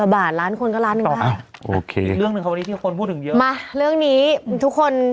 มาโอเคคุณพูดถึงเยอะมาเรื่องนี้ทุกคน